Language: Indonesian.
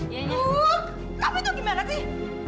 kamu itu gimana sih